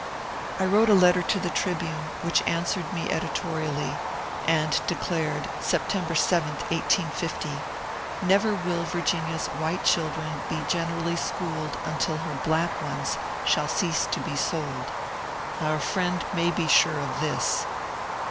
I wrote a letter to the ^^ Tribune," which answered me editorially, and declared, September 7, 1850 :" Never will Virginia's White children be generally schooled until her Black ones shall cease to be sold. Our friend may be sure of this."